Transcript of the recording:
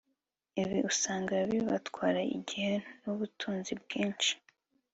Ibi usanga bibatwara igihe nubutunzi bwinshi